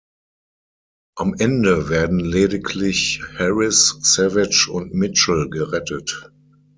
Am Ende werden lediglich Harris, Savage und Mitchell gerettet.